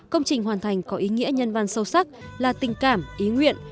công trình hoàn thành có ý nghĩa nhân văn sâu sắc là tình cảm ý nguyện